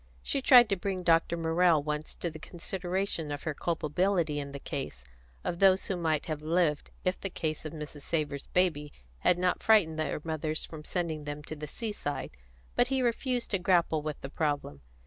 She tried to bring Dr. Morrell once to the consideration of her culpability in the case of those who might have lived if the case of Mrs. Savor's baby had not frightened their mothers from sending them to the seaside; but he refused to grapple with the problem.